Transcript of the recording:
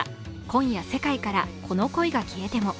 「今夜、世界からこの恋が消えても」